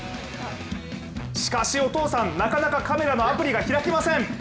しかし、おとうさん、なかなかカメラのアプリが開きません。